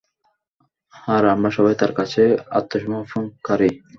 আর আমরা সবাই তাঁর কাছে আত্মসমর্পণকারী।